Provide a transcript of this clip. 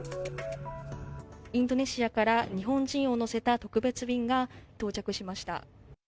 インドネシアから日本人を乗せた特別便が到着しました。